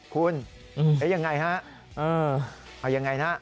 คุณเอาอย่างไรนะ